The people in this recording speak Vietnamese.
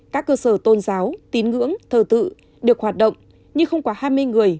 các cơ sở tôn giáo tín ngưỡng thờ tự được hoạt động như không quá hai mươi người